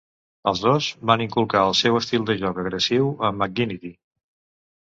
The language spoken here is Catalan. Els dos van inculcar el seu estil de joc agressiu a McGinnity.